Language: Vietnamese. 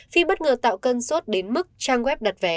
phim bất ngờ tạo cân suốt đến mức trang web đặt vé